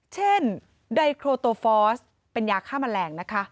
เช่นไดโครโตฟอสเป็นยาฆ่าแมลง